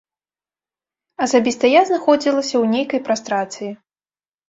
Асабіста я знаходзілася ў нейкай прастрацыі.